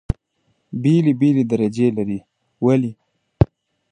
بېلې بېلې درجې لري. ولې؟